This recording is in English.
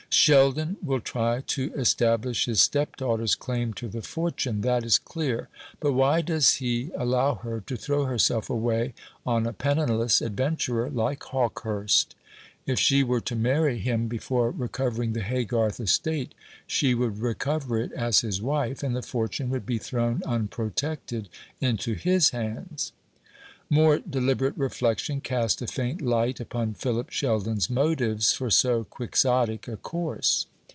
"Sheldon will try to establish his stepdaughter's claim to the fortune; that is clear. But why does he allow her to throw herself away on a penniless adventurer like Hawkehurst? If she were to marry him before recovering the Haygarth estate, she would recover it as his wife, and the fortune would be thrown unprotected into his hands." More deliberate reflection cast a faint light upon Philip Sheldon's motives for so quixotic a course.